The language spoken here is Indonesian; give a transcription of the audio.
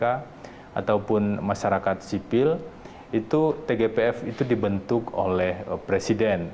ataupun masyarakat sipil tgpf itu dibentuk oleh presiden